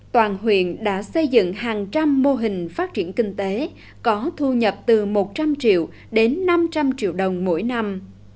toàn huyện đã xây dựng hàng trăm mô hình phát triển kinh tế có thu nhập từ một trăm linh triệu đến năm trăm linh triệu đồng mỗi năm